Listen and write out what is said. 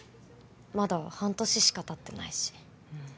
まだ半年しかたってないしうん